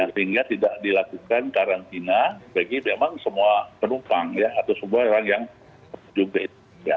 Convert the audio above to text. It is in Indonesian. sehingga tidak dilakukan karantina bagi memang semua penumpang ya atau semua orang yang juga itu